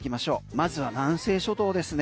まずは南西諸島ですね。